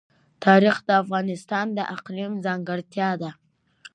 تاریخ د افغانستان د اقلیم ځانګړتیا ده.